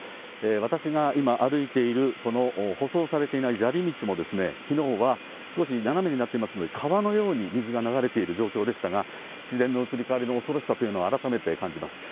私が今歩いているこの舗装されていない砂利道も、きのうは少し斜めになっていますので、川のように水が流れている状況でしたが、自然の移り変わりの恐ろしさというのを改めて感じます。